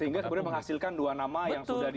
sehingga kemudian menghasilkan dua nama yang sudah di